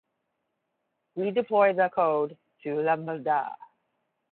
We deploy the code to lambda